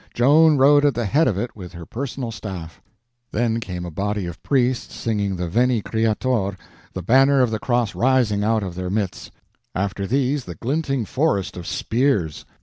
Joan rode at the head of it with her personal staff; then came a body of priests singing the Veni Creator, the banner of the Cross rising out of their midst; after these the glinting forest of spears.